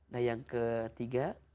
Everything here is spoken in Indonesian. nah yang ketiga